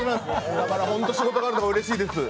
だから本当に仕事があるのがうれしいです。